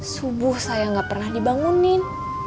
subuh saya nggak pernah dibangunin